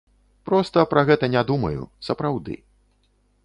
Проста пра гэта не думаю, сапраўды.